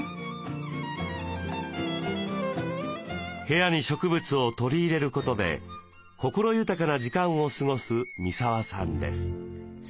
部屋に植物を取り入れることで心豊かな時間を過ごす三沢さんです。